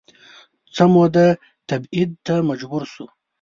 څه موده تبعید ته مجبور شو